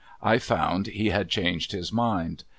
I found he had changed his mind.